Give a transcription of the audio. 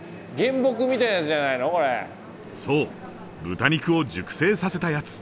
豚肉を熟成させたやつ。